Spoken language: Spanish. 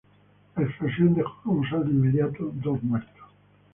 La explosión dejó como saldo inmediato a dos muertos.